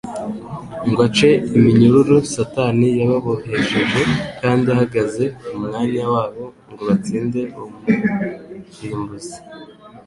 ngo ace iminyururu Satani yababohesheje kandi ahagaze mu mwanya wabo ngo batsinde uwo murimbuzi.